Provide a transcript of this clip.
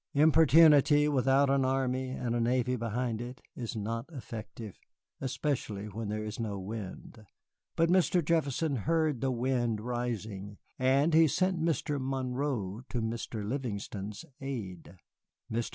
Importunity without an Army and a Navy behind it is not effective especially when there is no wind. But Mr. Jefferson heard the wind rising, and he sent Mr. Monroe to Mr. Livingston's aid. Mr.